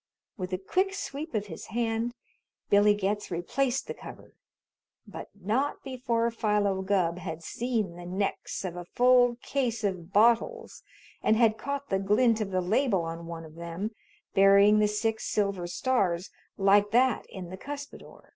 With a quick sweep of his hand Billy Getz replaced the cover, but not before Philo Gubb had seen the necks of a full case of bottles and had caught the glint of the label on one of them, bearing the six silver stars, like that in the cuspidor.